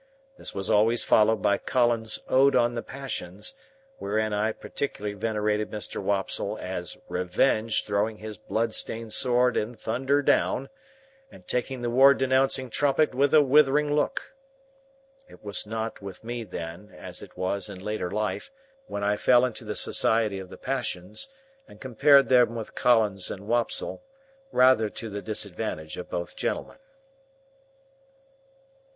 This was always followed by Collins's Ode on the Passions, wherein I particularly venerated Mr. Wopsle as Revenge throwing his blood stained sword in thunder down, and taking the War denouncing trumpet with a withering look. It was not with me then, as it was in later life, when I fell into the society of the Passions, and compared them with Collins and Wopsle, rather to the disadvantage of both gentlemen.